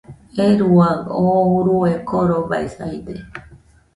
¡Euruaɨ! oo urue korobaisaide